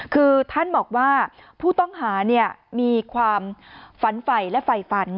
คือท่านบอกว่าผู้ต้องหามีความฝันไฟและไฟฝัน